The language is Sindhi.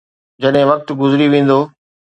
جڏهن وقت گذري ويندو.